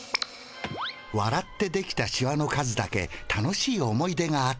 わらってできたシワの数だけ楽しい思い出があった。